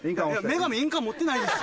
女神印鑑持ってないです。